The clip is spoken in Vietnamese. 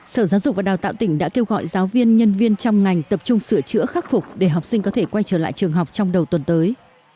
sở giáo dục và đào tạo tỉnh đã kêu gọi giáo viên nhân viên trong ngành tập trung sửa chữa khắc phục để học sinh có thể quay trở lại trường học trong đầu tuần tới